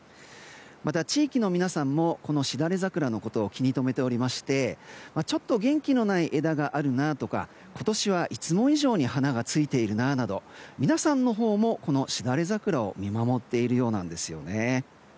また、地域の皆さんもこのしだれ桜のことを気に留めておりましてちょっと元気のない枝があるなとか今年はいつも以上に花がついているななど皆さんのほうも、しだれ桜を見守っているようなんですね。